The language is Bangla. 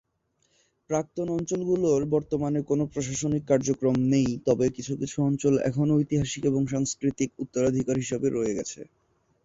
প্রাক্তন অঞ্চল গুলোর বর্তমানে কোনও প্রশাসনিক কার্যক্রম নেই তবে কিছু-কিছু অঞ্চল এখনো ঐতিহাসিক এবং সাংস্কৃতিক উত্তরাধিকার হিসাবে রয়ে গেছে।